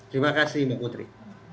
terima kasih mbak putri